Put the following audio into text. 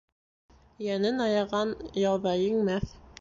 Йәнен аяған яуҙа еңмәҫ.